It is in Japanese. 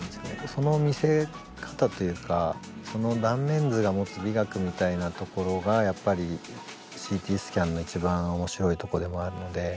その見せ方というかその断面図が持つ美学みたいなところがやっぱりＣＴスキャンの一番面白いとこでもあるので。